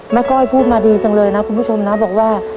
ก้อยพูดมาดีจังเลยนะคุณผู้ชมนะบอกว่า